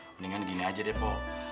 mendingan gini aja deh po